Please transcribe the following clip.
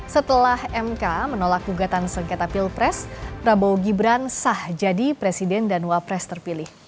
setelah mk menolak gugatan sengketa pilpres prabowo gibran sah jadi presiden dan wapres terpilih